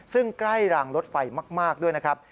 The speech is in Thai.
ซึ่งใกล้รางรถไฟมากด้วยนะครับ